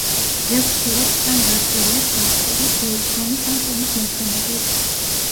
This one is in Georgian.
ბევრ სურათს თან დართული აქვს აღწერა დროის, ზომის ან წონის მაჩვენებლით.